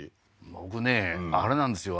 僕ねあれなんですよ